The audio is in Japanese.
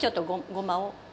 ごまを。